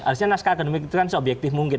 artinya naskah akademik itu kan seobjektif mungkin